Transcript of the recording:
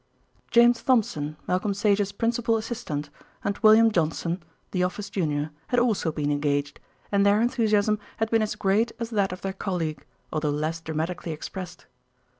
James Thompson, Malcolm Sage's principal assistant, and William Johnson, the office junior, had also been engaged, and their enthusiasm has been as great as that of their colleague, although less dramatically expressed.